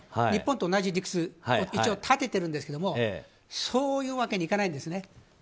日本と同じ理屈を一応立てているんですがそういうわけに行かないんですね。